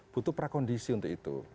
butuh prakondisi untuk itu